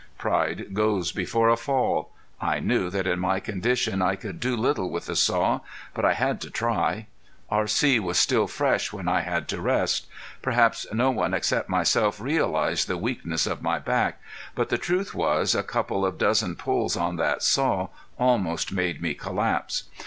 Pride goes before a fall! I knew that in my condition I could do little with the saw, but I had to try. R.C. was still fresh when I had to rest. Perhaps no one except myself realized the weakness of my back, but the truth was a couple of dozen pulls on that saw almost made me collapse.